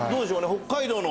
北海道の。